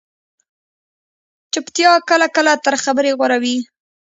چُپتیا کله کله تر خبرې غوره وي